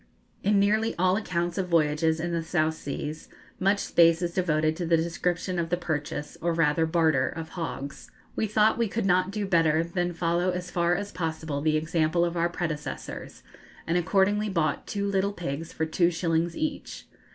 In nearly all accounts of voyages in the South Seas much space is devoted to the description of the purchase, or rather barter, of hogs. We thought we could not do better than follow as far as possible the example of our predecessors, and accordingly bought two little pigs for two shillings each.